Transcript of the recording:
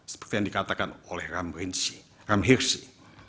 seperti yang dikatakan oleh ram hirsi